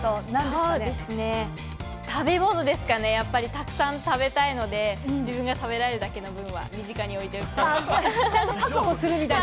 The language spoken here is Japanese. そうですね、食べ物ですかね、やっぱりたくさん食べたいので、自分が食べられるだけの分は身近に置いておきたい。